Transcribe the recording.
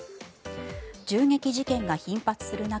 銃撃事件が頻発する中